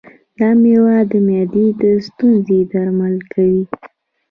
دا مېوه د معدې د ستونزو درملنه کوي.